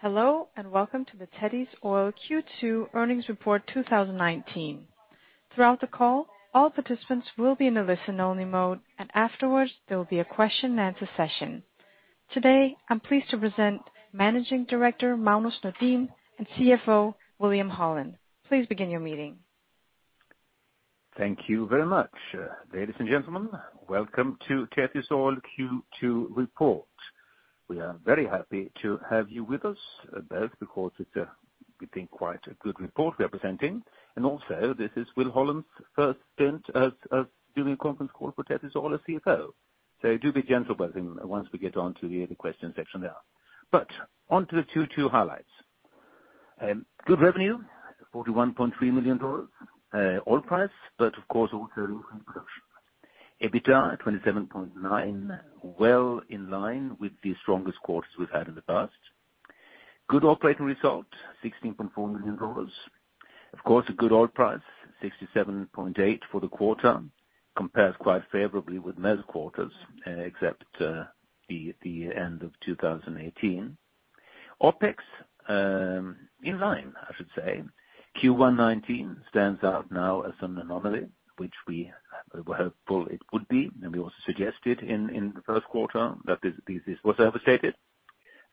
Hello, welcome to the Tethys Oil Q2 earnings report 2019. Throughout the call, all participants will be in a listen-only mode, and afterwards, there will be a question and answer session. Today, I'm pleased to present Managing Director, Magnus Nordin, and CFO, William Holland. Please begin your meeting. Thank you very much. Ladies and gentlemen, welcome to Tethys Oil Q2 report. We are very happy to have you with us, both because it's, we think, quite a good report we are presenting, and also this is Will Holland's first stint doing a conference call for Tethys Oil as CFO. Do be gentle with him once we get onto the question section there. On to the Q2 highlights. Good revenue, $41.3 million. Oil price, of course also production. EBITDA at $27.9 million, well in line with the strongest quarters we've had in the past. Good operating result, $16.4 million. Of course, a good oil price, $67.8 for the quarter. Compares quite favorably with most quarters, except the end of 2018. OpEx, in line, I should say. Q1 2019 stands out now as an anomaly, which we were hopeful it would be, and we also suggested in the first quarter that this was overstated.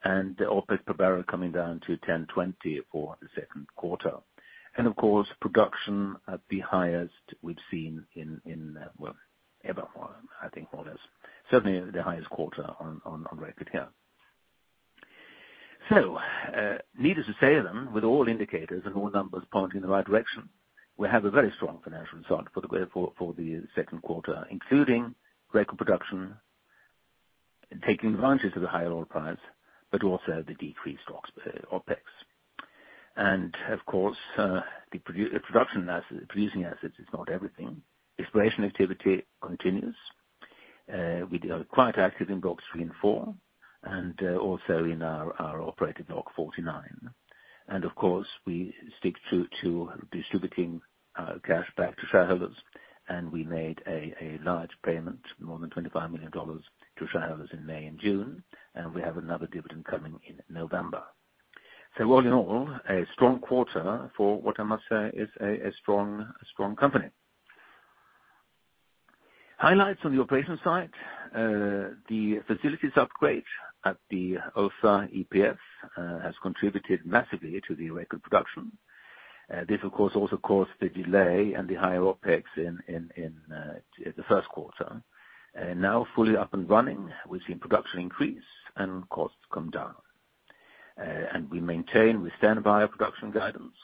The OpEx per barrel coming down to $10.20 for the second quarter. Of course, production at the highest we've seen in, well, ever, I think more or less. Certainly the highest quarter on record here. Needless to say then, with all indicators and all numbers pointing in the right direction, we have a very strong financial result for the second quarter, including record production and taking advantage of the higher oil price, but also the decreased OpEx. Of course, the production assets, producing assets is not everything. Exploration activity continues. We are quite active in Blocks 3 and 4, and also in our operated Block 49. Of course, we stick true to distributing cash back to shareholders. We made a large payment, more than $25 million, to shareholders in May and June. We have another dividend coming in November. All in all, a strong quarter for what I must say is a strong company. Highlights on the operations side. The facilities upgrade at the Ulfa EPSF has contributed massively to the record production. This, of course, also caused the delay and the higher OpEx in the first quarter. Fully up and running, we've seen production increase and costs come down. We maintain, we stand by our production guidance.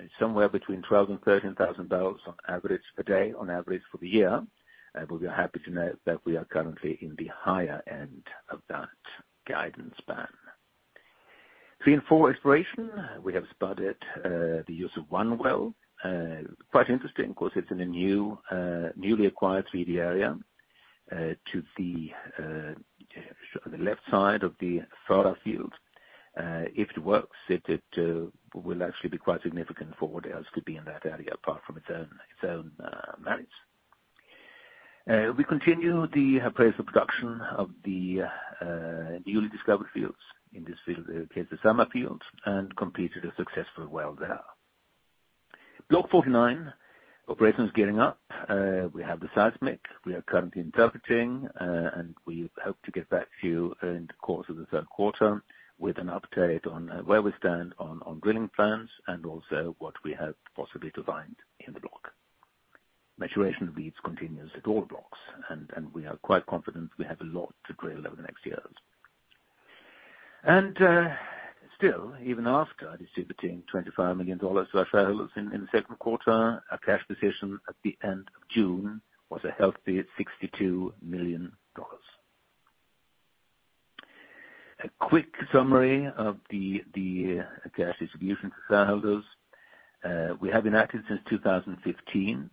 It's somewhere between 12,000 and 13,000 barrels on average per day, on average for the year. We are happy to note that we are currently in the higher end of that guidance band. 3 and 4 exploration, we have spudded the Yusr-1 well. Quite interesting. Of course, it's in a newly acquired 3D area to the left side of the Farha field. If it works, it will actually be quite significant for what else could be in that area, apart from its own merits. We continue the appraisal production of the newly discovered fields. In this field, the case of Sama fields, and completed a successful well there. Block 49, operations gearing up. We have the seismic, we are currently interpreting, and we hope to get back to you in the course of the 3rd quarter with an update on where we stand on drilling plans and also what we have possibly defined in the block. Maturation leads continuous at all blocks, and we are quite confident we have a lot to drill over the next years. Still, even after distributing $25 million to our shareholders in the second quarter, our cash position at the end of June was a healthy $62 million. A quick summary of the cash distribution to shareholders. We have been active since 2015.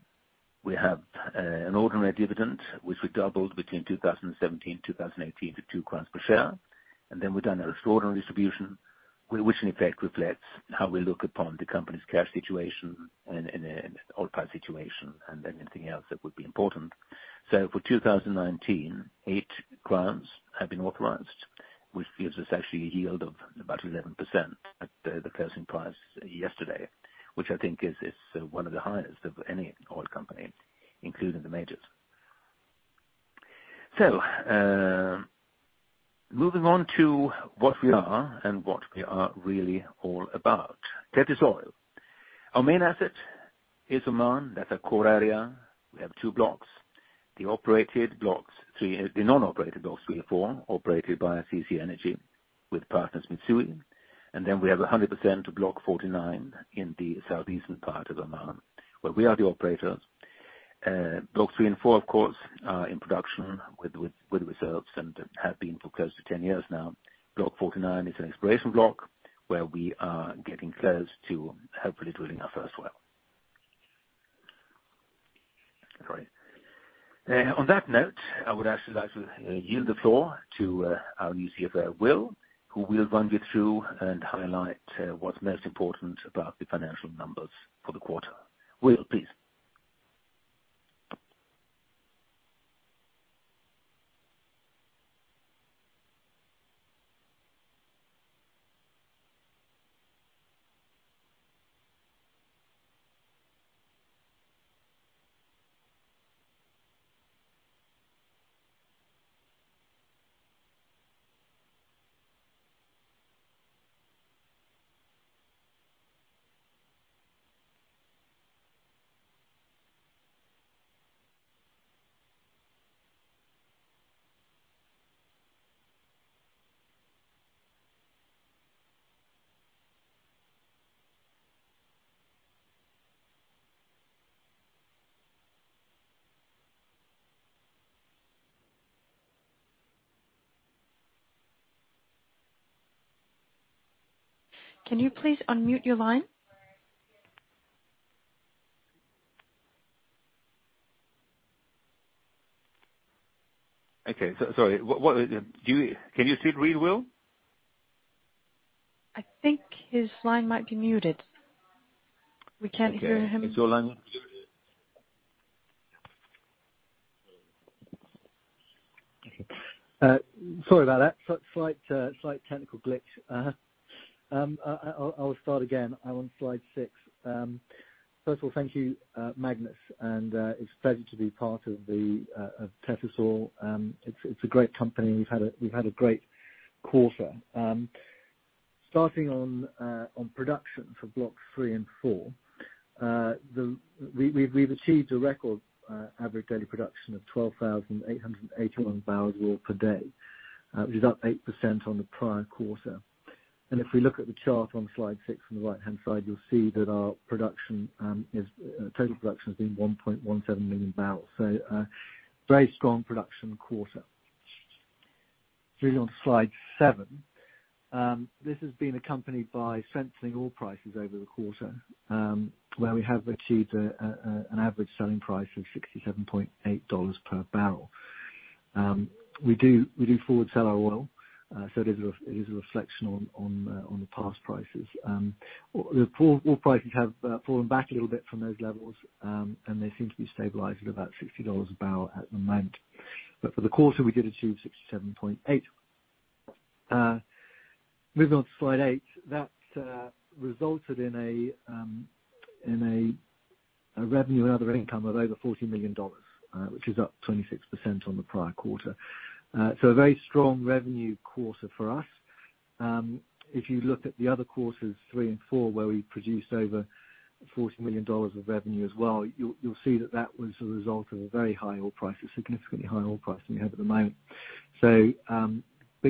We have an ordinary dividend, which we doubled between 2017-2018 to two krons per share, and then we've done an extraordinary distribution, which in effect reflects how we look upon the company's cash situation and oil price situation and anything else that would be important. For 2019, eight krons have been authorized, which gives us actually a yield of about 11% at the closing price yesterday, which I think is one of the highest of any oil company, including the majors. Moving on to what we are and what we are really all about. Tethys Oil. Our main asset is Oman. That's our core area. We have two blocks. The non-operated Blocks 3 and 4, operated by CC Energy, with partners Mitsui. We have 100% of Block 49 in the southeastern part of Oman, where we are the operator. Blocks 3 and 4, of course, are in production with reserves and have been for close to 10 years now. Block 49 is an exploration block where we are getting close to hopefully drilling our first well. Sorry. On that note, I would actually like to yield the floor to our new CFO, Will, who will run you through and highlight what's most important about the financial numbers for the quarter. Will, please. Can you please unmute your line? Okay. Sorry. Can you still read Will? I think his line might be muted. We can't hear him. Okay. Is your line muted? Sorry about that. Slight technical glitch. I'll start again on slide six. First of all, thank you, Magnus. It's a pleasure to be part of Tethys Oil. It's a great company, and we've had a great quarter. Starting on production for Blocks 3 and 4, we've achieved a record average daily production of 12,881 barrels of oil per day, which is up 8% on the prior quarter. If we look at the chart on slide six from the right-hand side, you'll see that our total production has been 1.17 million barrels. A very strong production quarter. Moving on to slide seven. This has been accompanied by strengthening oil prices over the quarter, where we have achieved an average selling price of $67.8 per barrel. We do forward sell our oil. It is a reflection on the past prices. Oil prices have fallen back a little bit from those levels, and they seem to be stabilizing at about $60 a barrel at the moment. For the quarter, we did achieve $67.8. Moving on to slide eight. That resulted in a revenue and other income of over $40 million, which is up 26% on the prior quarter. A very strong revenue quarter for us. If you look at the other quarters, three and four, where we produced over $40 million of revenue as well, you'll see that that was a result of a very high oil price, a significantly higher oil price than we have at the moment.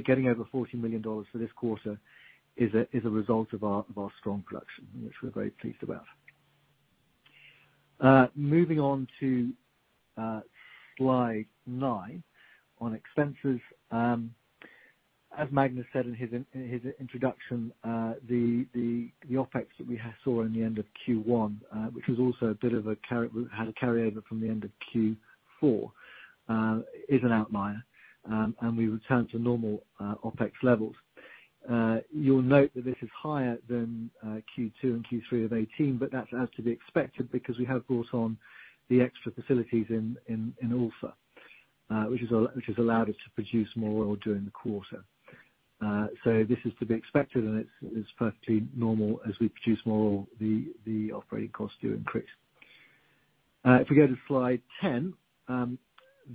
Getting over $40 million for this quarter is a result of our strong production, which we're very pleased about. Moving on to slide nine, on expenses. As Magnus said in his introduction, the OpEx that we saw in the end of Q1, which had a carryover from the end of Q4, is an outlier, and we returned to normal OpEx levels. That's as to be expected because we have brought on the extra facilities in Ulfa which has allowed us to produce more oil during the quarter. This is to be expected, and it's perfectly normal as we produce more oil, the operating costs do increase. If we go to slide 10.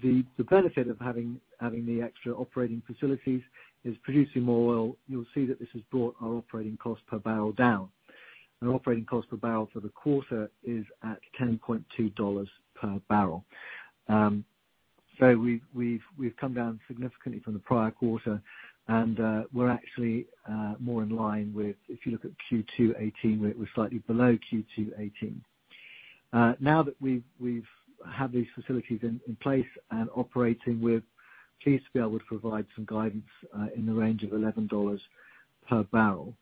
The benefit of having the extra operating facilities is producing more oil. You'll see that this has brought our operating cost per barrel down. Our operating cost per barrel for the quarter is at $10.2 per barrel. We've come down significantly from the prior quarter, and we're actually more in line with, if you look at Q2 2018, where it was slightly below Q2 2018. Now that we've had these facilities in place and operating, we're pleased to be able to provide some guidance in the range of $11 per barrel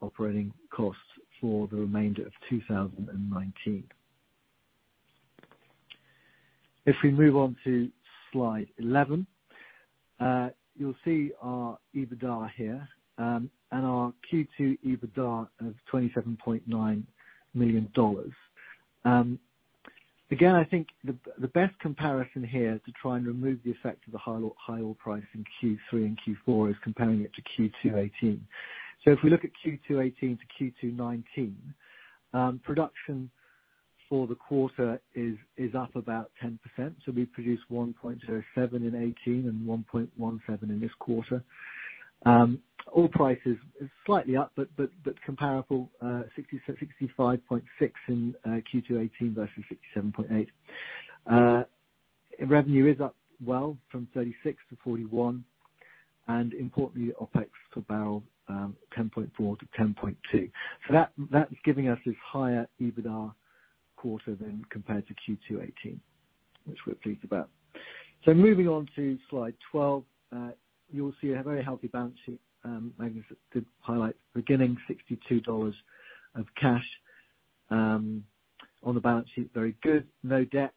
operating costs for the remainder of 2019. If we move on to slide 11. You'll see our EBITDA here, and our Q2 EBITDA of $27.9 million. Again, I think the best comparison here to try and remove the effect of the high oil price in Q3 and Q4 is comparing it to Q2 2018. If we look at Q2 2018 to Q2 2019, production for the quarter is up about 10%. We produced 1.07 in 2018 and 1.17 in this quarter. Oil prices are slightly up but comparable, $65.6 in Q2 2018 versus $67.8. Revenue is up well from $36 million-$41 million, and importantly, OpEx per barrel $10.4-$10.2. That's giving us this higher EBITDA quarter than compared to Q2 2018, which we're pleased about. Moving on to slide 12. You'll see a very healthy balance sheet. Magnus did highlight at the beginning SEK 62 of cash on the balance sheet. Very good. No debt.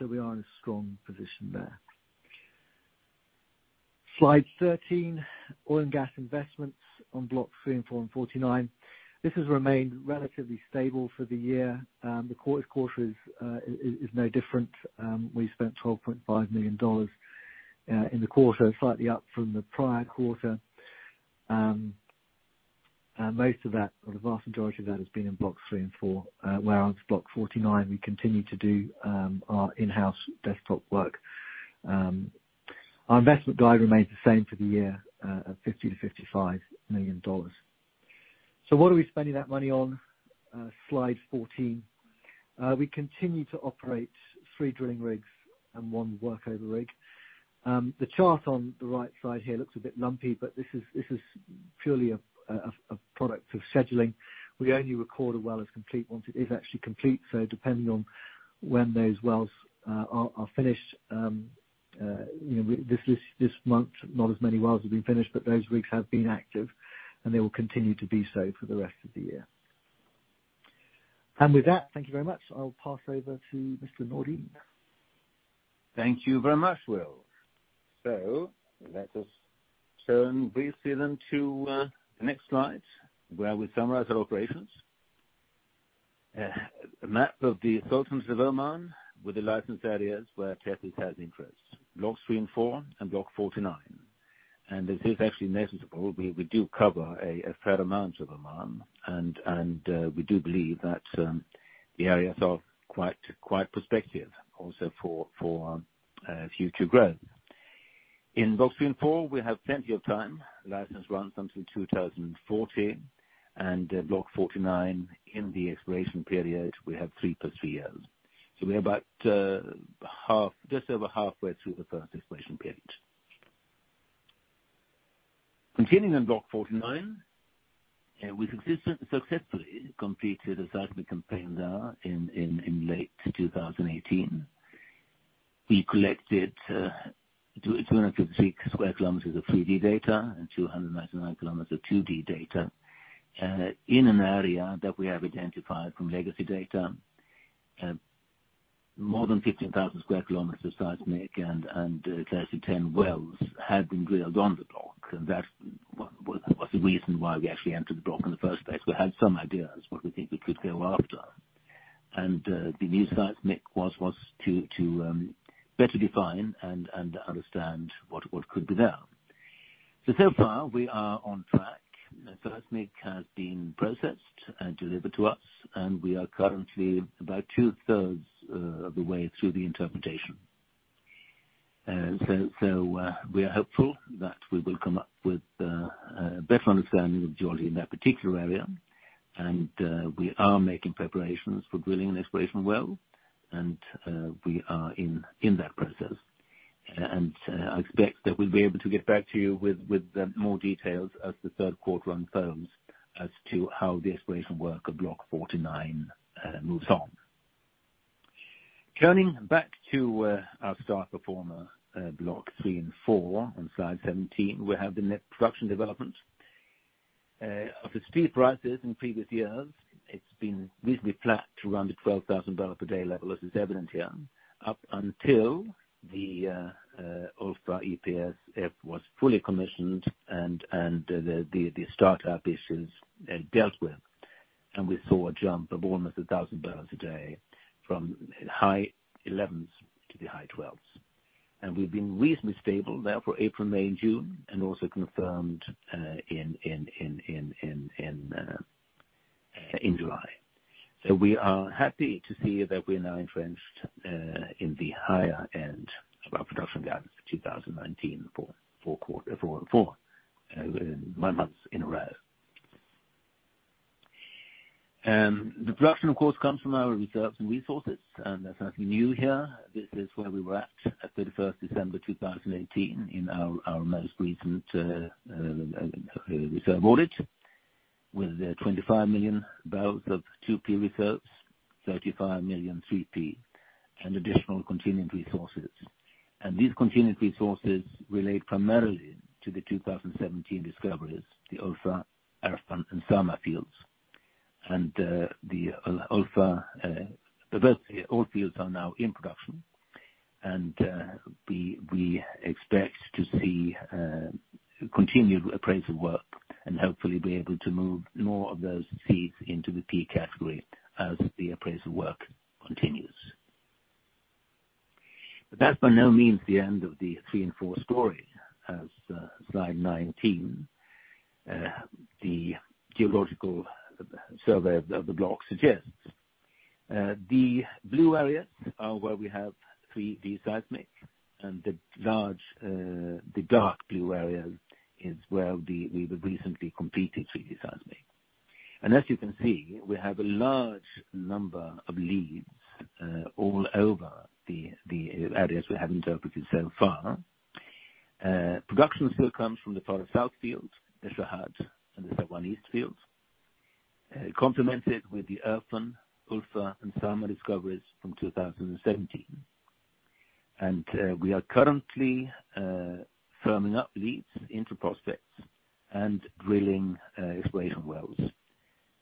We are in a strong position there. Slide 13, oil and gas investments on Block 3 and 4 and 49. This has remained relatively stable for the year. The current quarter is no different. We spent $12.5 million in the quarter, slightly up from the prior quarter. Most of that, or the vast majority of that, has been in Block 3 and 4, where on Block 49, we continue to do our in-house desktop work. Our investment guide remains the same for the year at $50 million-$55 million. What are we spending that money on? Slide 14. We continue to operate three drilling rigs and one workover rig. The chart on the right side here looks a bit lumpy. This is purely a product of scheduling. We only record a well as complete once it is actually complete. Depending on when those wells are finished, this month, not as many wells have been finished. Those rigs have been active, and they will continue to be so for the rest of the year. With that, thank you very much. I'll pass over to Mr. Nordin. Thank you very much, Will. Let us turn briefly to the next slide, where we summarize our operations. A map of the Sultanate of Oman with the license areas where Tethys has interests. Block 3 and 4 and Block 49. This is actually noticeable. We do cover a fair amount of Oman, and we do believe that the areas are quite prospective also for future growth. In Block 3 and 4, we have plenty of time. License runs until 2040, and Block 49 in the exploration period, we have three plus three years. We're about just over halfway through the first exploration period. Continuing on Block 49, we successfully completed a seismic campaign there in late 2018. We collected 256 square kilometers of 3D data and 299 kilometers of 2D data, in an area that we have identified from legacy data. More than 15,000 square kilometers of seismic and closely 10 wells had been drilled on the block. That was the reason why we actually entered the block in the first place. We had some ideas what we think we could go after. The new seismic was to better define and understand what could be there. So far, we are on track. The seismic has been processed and delivered to us, and we are currently about two-thirds of the way through the interpretation. We are hopeful that we will come up with a better understanding of geology in that particular area. We are making preparations for drilling an exploration well, and we are in that process. I expect that we'll be able to get back to you with more details as the third quarter unfurls as to how the exploration work of Block 49 moves on. Turning back to our star performer, Block 3 & 4 on Slide 17, we have the net production development. After steep rises in previous years, it's been reasonably flat to around the $12,000 per day level, as is evident here, up until the Ulfa EPSF was fully commissioned and the startup issues dealt with. We saw a jump of almost $1,000 a day from high 11s to the high 12s. We've been reasonably stable there for April, May, and June, and also confirmed in July. We are happy to see that we are now influenced in the higher end of our production guidance for 2019 for quarter four and four, nine months in a row. The production, of course, comes from our reserves and resources, and there's nothing new here. This is where we were at 31st December 2018 in our most recent reserve audit, with 25 million barrels of 2P reserves, 35 million 3P, and additional contingent resources. These contingent resources relate primarily to the 2017 discoveries, the Ulfa, Erfan, and Sama fields. All fields are now in production. We expect to see continued appraisal work and hopefully be able to move more of those Cs into the P category as the appraisal work continues. That's by no means the end of the 3 and 4 story as Slide 19, the geological survey of the block suggests. The blue areas are where we have 3D seismic, and the dark blue areas is where we've recently completed 3D seismic. As you can see, we have a large number of leads all over the areas we have interpreted so far. Production still comes from the Farha South fields, the Shahd and the Saiwan East fields, complemented with the Erfan, Ulfa, and Sama discoveries from 2017. We are currently firming up leads into prospects and drilling exploration wells.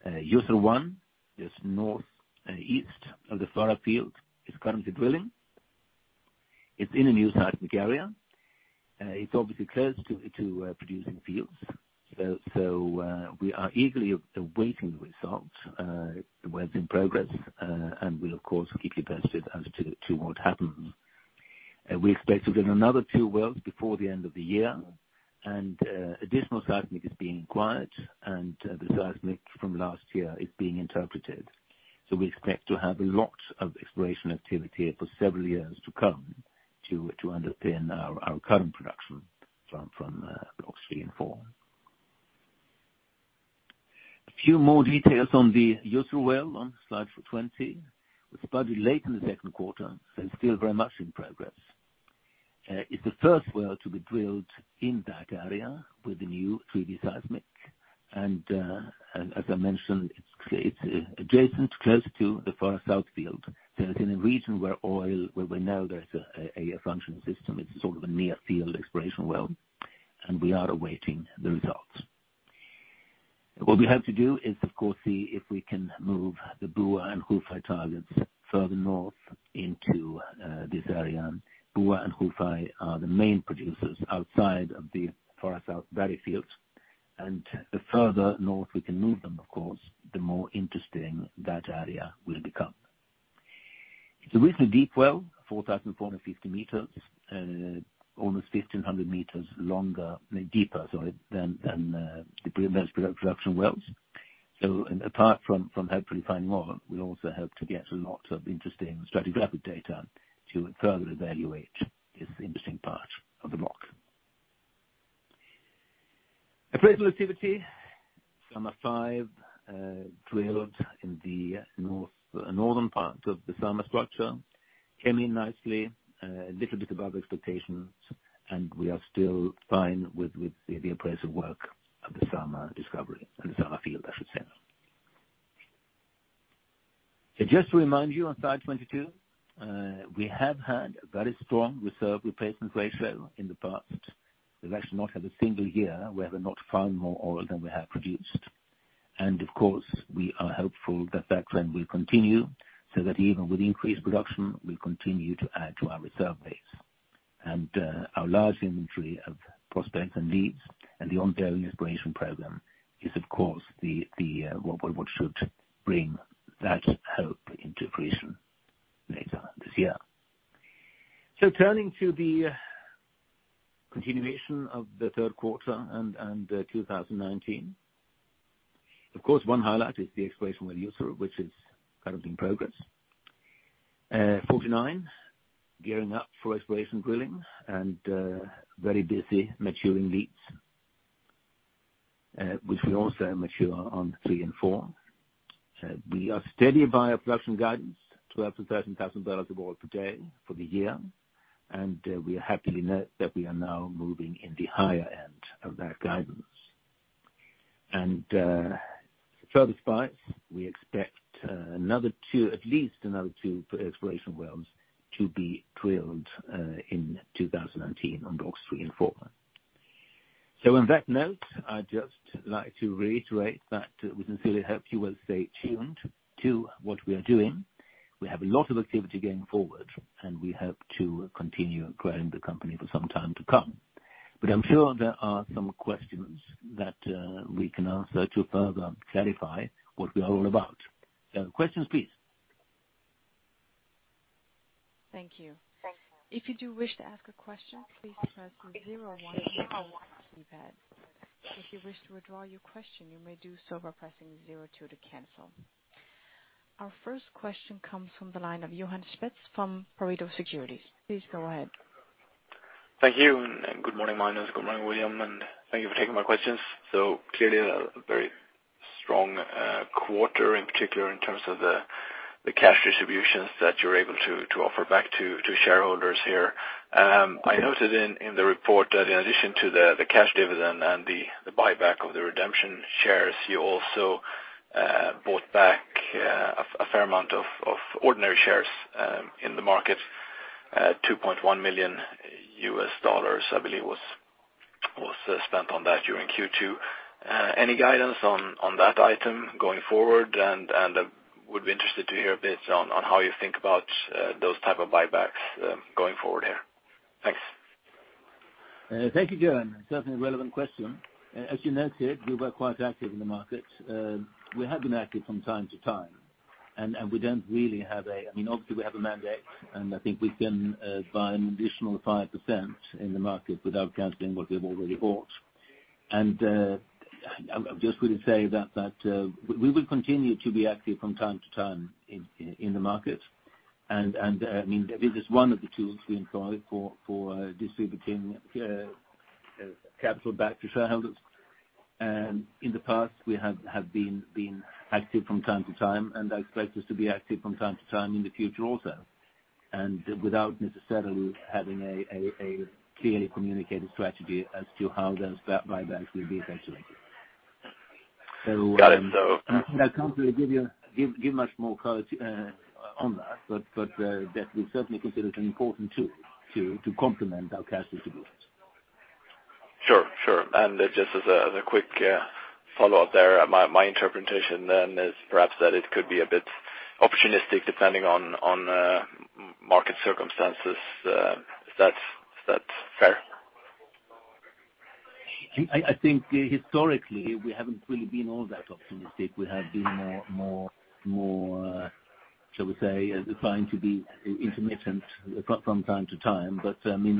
Yusr-1 is northeast of the Farha field is currently drilling. It's in a new seismic area. It's obviously close to producing fields. We are eagerly awaiting the results. The well's in progress, and we'll of course, keep you posted as to what happens. We expect to drill another two wells before the end of the year, and additional seismic is being acquired, and the seismic from last year is being interpreted. We expect to have a lot of exploration activity for several years to come to underpin our current production from Blocks 3 and 4. A few more details on the Yusr well on slide 20. It was spudded late in the second quarter and still very much in progress. It's the first well to be drilled in that area with the new 3D seismic and, as I mentioned, it's adjacent, close to the Farha South field. It's in a region where we know there's a functioning system. It's sort of a near field exploration well, and we are awaiting the results. What we hope to do is, of course, see if we can move the Buah and Khufai targets further north into this area. Buah and Khufai are the main producers outside of the Farha South Farha fields. The further north we can move them, of course, the more interesting that area will become. It's a reasonably deep well, 4,450 meters, almost 1,500 meters longer, deeper, sorry, than the pre-existing production wells. Apart from hopefully finding more, we also hope to get a lot of interesting stratigraphic data to further evaluate this interesting part of the block. Appraisal activity, Sama-5, drilled in the northern parts of the Sama structure, came in nicely, a little bit above expectations, and we are still fine with the appraisal work of the Sama discovery, in Sama field, I should say. Just to remind you on slide 22, we have had a very strong reserve replacement ratio in the past. We've actually not had a single year where we've not found more oil than we have produced. Of course, we are hopeful that trend will continue, so that even with increased production, we continue to add to our reserve base. Our large inventory of prospects and leads and the ongoing exploration program is, of course, what should bring that hope into fruition later this year. Turning to the continuation of the third quarter and 2019. Of course, one highlight is the exploration well Yusr, which is currently in progress. 49, gearing up for exploration drilling and very busy maturing leads, which we also mature on 3 and 4. We are steady by our production guidance, 12,000-13,000 barrels of oil per day for the year, and we happily note that we are now moving in the higher end of that guidance. Furthest part, we expect at least another two exploration wells to be drilled in 2019 on Blocks 3 and 4. On that note, I'd just like to reiterate that we sincerely hope you will stay tuned to what we are doing. We have a lot of activity going forward, and we hope to continue growing the company for some time to come. I'm sure there are some questions that we can answer to further clarify what we are all about. Questions, please. Thank you. If you do wish to ask a question, please press 0 on your telephone keypad. If you wish to withdraw your question, you may do so by pressing 02 to cancel. Our first question comes from the line of Johan Spetz from Pareto Securities. Please go ahead. Thank you. Good morning, Magnus. Good morning, William, and thank you for taking my questions. Clearly a very strong quarter, in particular in terms of the cash distributions that you're able to offer back to shareholders here. I noted in the report that in addition to the cash dividend and the buyback of the redemption shares, you also bought back a fair amount of ordinary shares, in the market, $2.1 million, I believe was spent on that during Q2. Any guidance on that item going forward? Would be interested to hear a bit on how you think about those type of buybacks going forward here. Thanks. Thank you, Johan. Certainly a relevant question. As you noted, we were quite active in the market. We have been active from time to time. Obviously, we have a mandate, and I think we can buy an additional 5% in the market without canceling what we've already bought. I just would say that we will continue to be active from time to time in the market. This is one of the tools we employ for distributing capital back to shareholders. In the past, we have been active from time to time, and I expect us to be active from time to time in the future also. Without necessarily having a clearly communicated strategy as to how those buybacks will be executed. Got it, though. I can't really give much more color on that, but that we certainly consider it an important tool to complement our cash distributions. Sure. Just as a quick follow-up there, my interpretation then is perhaps that it could be a bit opportunistic depending on market circumstances. Is that fair? I think historically, we haven't really been all that opportunistic. We have been more, shall we say, inclined to be intermittent from time to time.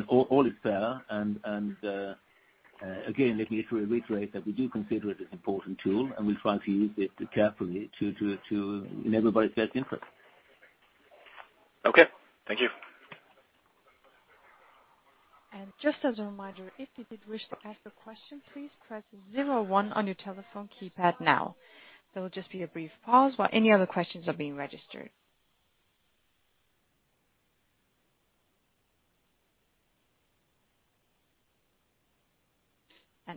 All is fair, and again, let me just reiterate that we do consider it an important tool, and we try to use it carefully in everybody's best interest. Okay. Thank you. Just as a reminder, if you did wish to ask a question, please press zero one on your telephone keypad now. There will just be a brief pause while any other questions are being registered.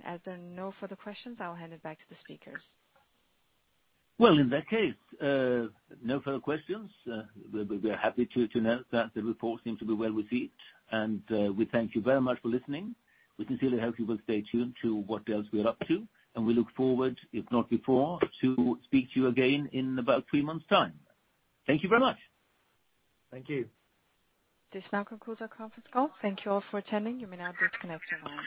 As there are no further questions, I'll hand it back to the speakers. Well, in that case, no further questions. We are happy to note that the report seems to be well received, and we thank you very much for listening. We sincerely hope you will stay tuned to what else we are up to, and we look forward, if not before, to speak to you again in about three months' time. Thank you very much. Thank you. This now concludes our conference call. Thank you all for attending. You may now disconnect your line.